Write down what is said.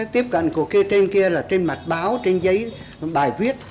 tiếp cận của cái trên kia là trên mặt báo trên giấy bài viết